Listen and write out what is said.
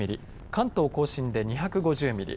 関東甲信で２５０ミリ